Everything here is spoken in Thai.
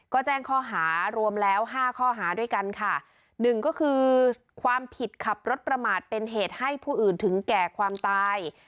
ก็แจ้งข้อหารวมแล้วห้าข้อหาด้วยกันค่ะหนึ่งก็คือความผิดขับรถประมาทเป็นเหตุให้ผู้อื่นถึงแก่ความตาย